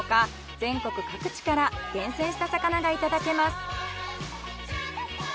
全国各地から厳選した魚がいただけます。